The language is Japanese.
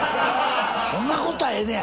そんなことはええねや！